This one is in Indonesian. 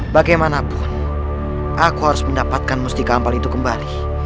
bagaimanapun aku harus mendapatkan mustika ampel itu kembali